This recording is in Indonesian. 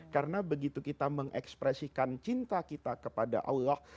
karena begitu kita mengekspresikan cinta kita kepada allah